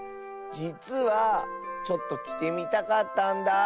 じつはちょっときてみたかったんだ。